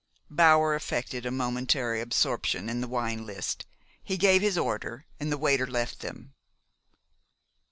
Bower affected a momentary absorption in the wine list. He gave his order, and the waiter left them.